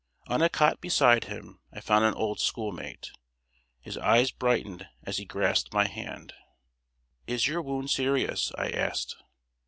] On a cot beside him, I found an old schoolmate. His eye brightened as he grasped my hand. "Is your wound serious?" I asked.